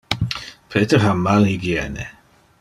Peter ha mal hygiene.